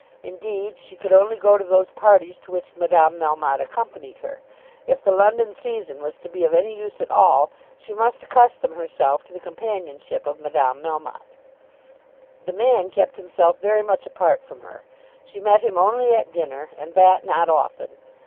Indeed she could only go to those parties to which Madame Melmotte accompanied her. If the London season was to be of any use at all, she must accustom herself to the companionship of Madame Melmotte. The man kept himself very much apart from her. She met him only at dinner, and that not often.